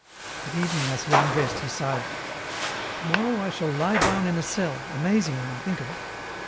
At evening as he undressed he sighed :" To morrow I shall lie down in a cell, amazing when I think of it